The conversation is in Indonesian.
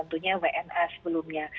tentunya wna sebelumnya